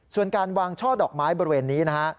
ส่วนการวางช่อดอกไม้บริเวณนี้นะฮะ